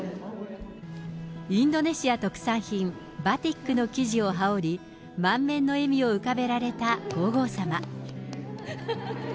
インドネシア特産品、バティックの生地を羽織り、満面の笑みを浮かべられた皇后さま。